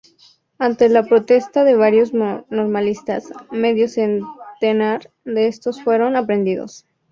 Ante la protesta de varios normalistas, medio centenar de estos fueron aprendidos.